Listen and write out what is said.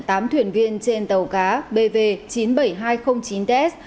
tám thuyền viên trên tàu cá bv chín mươi bảy nghìn hai trăm linh chín ts